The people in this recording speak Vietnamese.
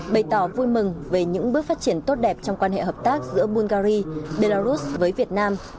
bày tỏ vui mừng về những bước phát triển tốt đẹp trong quan hệ hợp tác giữa bungary belarus với việt nam